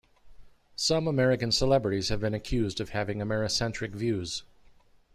Some American celebrities have been accused of having Americentric views.